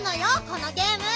このゲーム！